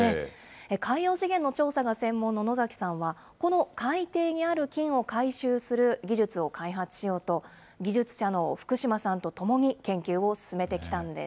海洋資源の調査が専門の野崎さんは、この海底にある金を回収する技術を開発しようと、技術者の福島さんと共に、研究を進めてきたんです。